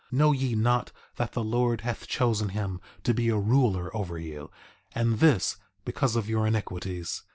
Know ye not that the Lord hath chosen him to be a ruler over you, and this because of your iniquities?